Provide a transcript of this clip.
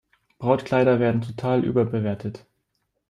Brautkleider werden total überbewertet.